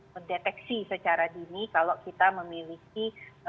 mendeteksi secara dini kalau kita memiliki